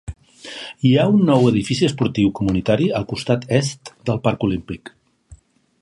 Hi ha un nou edifici esportiu comunitari al costat est del Parc Olímpic.